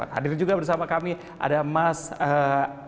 hadir juga bersama kami ada mas hanung brahmastra